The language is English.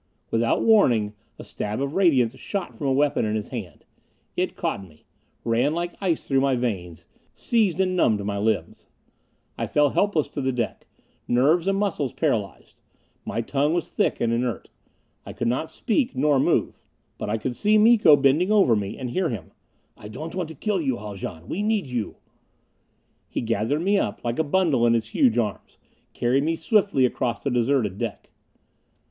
Without warning, a stab of radiance shot from a weapon in his hand. It caught me. Ran like ice through my veins. Seized and numbed my limbs. I fell helpless to the deck. Nerves and muscles paralyzed. My tongue was thick and inert. I could not speak, nor move. But I could see Miko bending over me. And hear him: "I don't want to kill you, Haljan. We need you." He gathered me up like a bundle in his huge arms; carried me swiftly across the deserted deck.